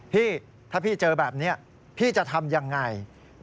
พี่ถ้าพี่เจอแบบนี้พี่จะทำยังไง